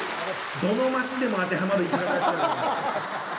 どの街でも当てはまる。